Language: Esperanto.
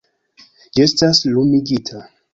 Ĝi estas lumigita...